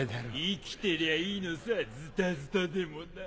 生きてりゃいいのさズタズタでもな。